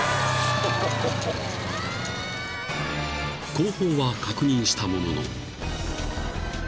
［後方は確認したものの］